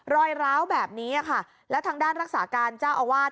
ร้าวแบบนี้ค่ะแล้วทางด้านรักษาการเจ้าอาวาส